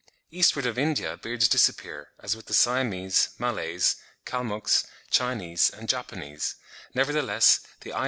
Eastward of India beards disappear, as with the Siamese, Malays, Kalmucks, Chinese, and Japanese; nevertheless, the Ainos (15.